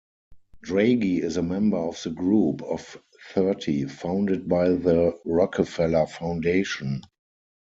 Draghi is a member of the Group of Thirty founded by the Rockefeller Foundation.